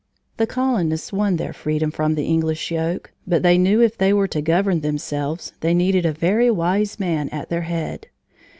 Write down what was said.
The colonists won their freedom from the English yoke, but they knew if they were to govern themselves, they needed a very wise man at their head.